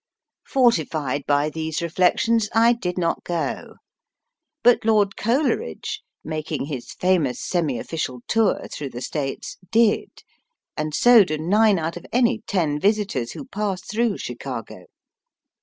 Fortified by these reflections, I did not go ; but Lord Coleridge, making his famous semi ofl&cial tour through the States, did, and so do nine out of any ten visitors who pass through Chicago.